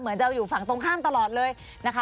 จะอยู่ฝั่งตรงข้ามตลอดเลยนะคะ